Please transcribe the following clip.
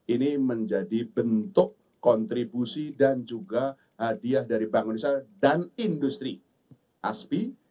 ini menjadi bentuk kontribusi dan juga hadiah dari bank indonesia dan industri aspi